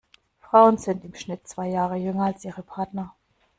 Frauen sind im Schnitt zwei Jahre jünger als ihre Partner.